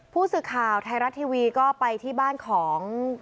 ผู้สื่อข่าวไทยรัฐทีวีก็ไปที่บ้านของ